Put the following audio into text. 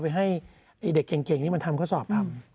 ไปให้เด็กเก่งนี่มันทำข้อสอบทำ